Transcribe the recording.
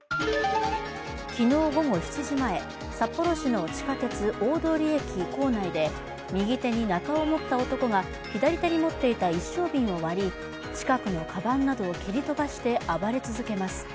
昨日午後７時前、札幌市の地下鉄大通駅構内で右手になたを持った男が左手に持っていた一升瓶を割り、近くのかばんなどを蹴り飛ばして暴れ続けます。